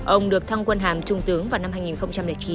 ông được thăng quân hàm trung tướng vào năm hai nghìn chín